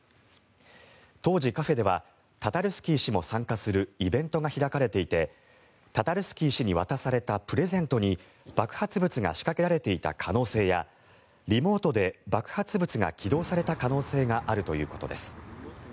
当時、カフェではタタルスキー氏も参加するイベントが開かれていてタタルスキー氏に渡されたプレゼントに爆発物が仕掛けられていた可能性やリモートで爆発物が起動された可能性があるということです。